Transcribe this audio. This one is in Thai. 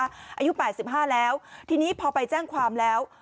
อายุ๘๕แล้วทีนี้พอไปแจ้งความแล้ว